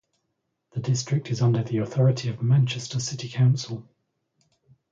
The district is under the authority of Manchester City Council.